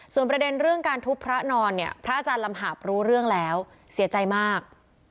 ส่วนประเด็นเรื่องการทุบพระนอนเนี่ยพระอาจารย์ลำหาบรู้เรื่องแล้วเสียใจมาก